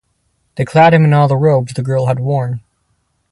They clad him in all the robes the girl had worn.